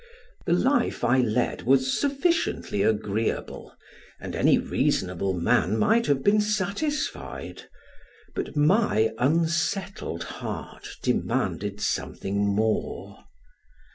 The life I led was sufficiently agreeable, and any reasonable man might have been satisfied, but my unsettled heart demanded something more.